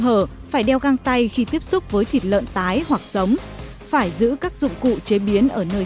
hở phải đeo găng tay khi tiếp xúc với thịt lợn tái hoặc sống phải giữ các dụng cụ chế biến ở nơi